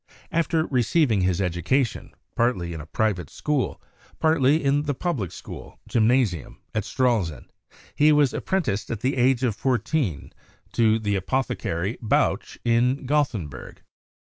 After receiving his education, partly in a pri vate school, partly in the public school ("gymnasium") at Stralsund, he was apprenticed at the age of fourteen to the apothecary Bauch in Gothenburg.